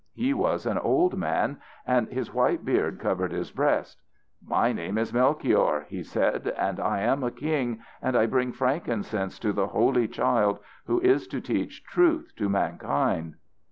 He was an old man, and his white beard covered his breast. "My name is Melchior," he said, "and I am a king, and I bring frankincense to the holy child who is to teach Truth to mankind."